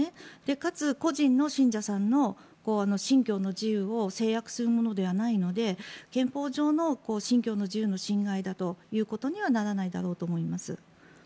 かつ、個人の信者さんの信教の自由を制約するものではないので憲法上の信教の自由の侵害ということにはならないだろうと思います。